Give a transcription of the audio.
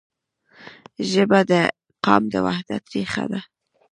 ژبه د قام د وحدت رښه ده.